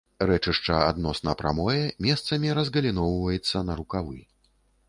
Рэчышча адносна прамое, месцамі разгаліноўваецца на рукавы.